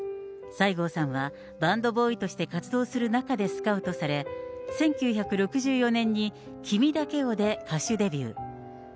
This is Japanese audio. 西郷さんはバンドボーイとして活動する中でスカウトされ、１９６４年に君だけをで歌手デビュー。